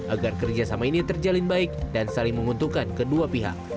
agar kerjasama ini terjalin baik dan saling menguntungkan kedua pihak